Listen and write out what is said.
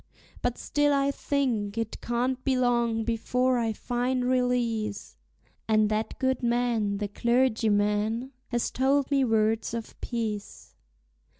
But still I think it can't be long before I find release; And that good man, the clergyman, has told me words of peace.